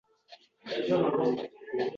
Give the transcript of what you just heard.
Bo’l omon.